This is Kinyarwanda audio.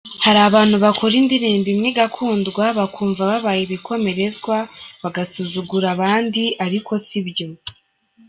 Hari abantu bakora indirimbo imwe igakundwa bakumva babaye ibikomerezwa bagasuzugura abandi, ariko sibyo.